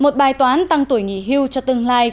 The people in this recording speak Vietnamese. tài toán tăng tuổi nghỉ hưu cho tương lai